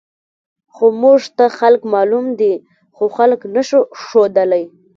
خو موږ ته خلک معلوم دي، خو خلک نه شو ښودلی.